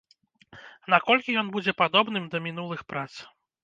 Наколькі ён будзе падобным да мінулых прац?